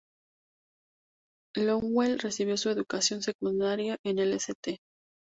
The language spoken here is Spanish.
Lowell recibió su educación secundaria en el St.